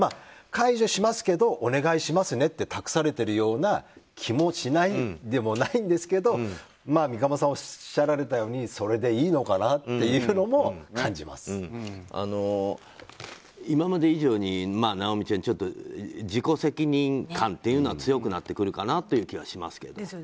解除しますけどお願いしますねって託されているような気もしないでもないんですけど三鴨さんがおっしゃられたようにそれでいいのかなというのも今まで以上に尚美ちゃんちょっと自己責任感というのは強くなってくるかなという気はしますけど。